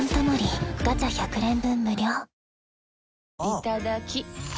いただきっ！